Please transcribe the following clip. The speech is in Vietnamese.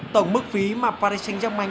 tổng mức phí mà paris saint germain